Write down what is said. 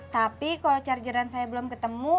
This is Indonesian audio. tapi kalau chargeran saya belum ketemu